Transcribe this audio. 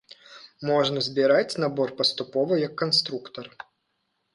Можна збіраць набор паступова, як канструктар.